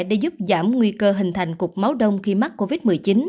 để giúp giảm nguy cơ hình thành cục máu đông khi mắc covid một mươi chín